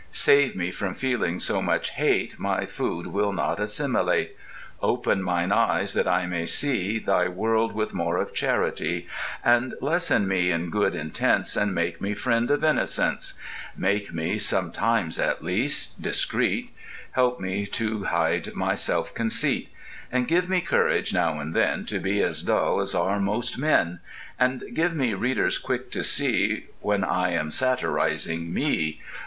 Save me from feeling so much hate My food will not assimilate; Open mine eyes that I may see Thy world with more of charity, And lesson me in good intents And make me friend of innocence ... Make me (sometimes at least) discreet; Help me to hide my self conceit, And give me courage now and then To be as dull as are most men. And give me readers quick to see When I am satirizing Me....